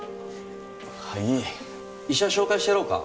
はい医者紹介してやろうか？